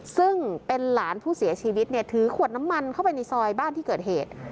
ซึ่งเป็นหลานผู้เสียชีวิตเนี่ยถือขวดน้ำมันเข้าไปในซอยบ้านที่เกิดเหตุ